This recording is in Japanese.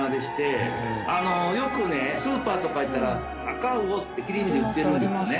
よくねスーパーとか行ったらアカウオって切り身で売ってるんですよね。